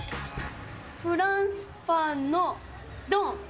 フランスパンのドン。